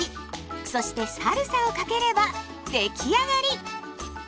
そしてサルサをかければ出来上がり。